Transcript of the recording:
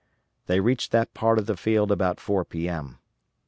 They reached that part of the field about 4 P.M.